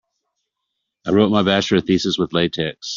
I wrote my bachelor thesis with latex.